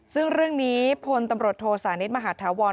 ซึ่งเรื่องนี้พลตำรวจโทสานิทมหาธาวร